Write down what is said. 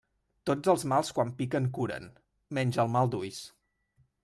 Tots els mals quan piquen curen, menys el mal d'ulls.